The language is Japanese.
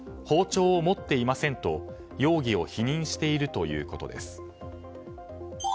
包丁を持っていませんと、容疑を否認しているということです。